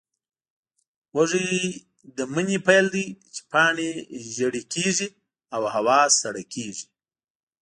وږی د مني پیل دی، چې پاڼې ژېړې کېږي او هوا سړه کېږي.